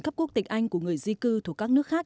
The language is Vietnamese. cấp quốc tịch anh của người di cư thuộc các nước khác